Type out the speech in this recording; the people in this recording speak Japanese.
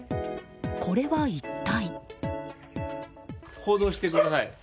これは一体。